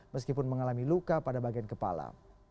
meskipun mengalami luka pada bagian kepala